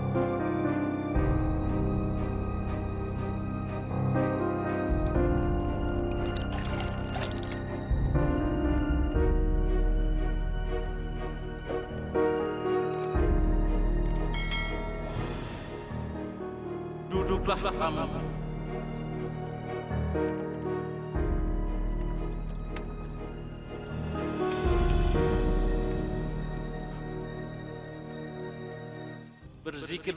biru mungkin akan berangkat